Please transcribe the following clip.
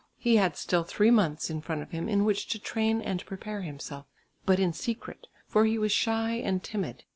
He had still three months in front of him in which to train and prepare himself, but in secret, for he was shy and timid.